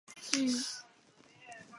艾伦瑞克认为自己是犹太人。